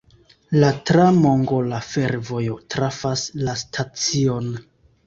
La tra-mongola fervojo trafas la stacion.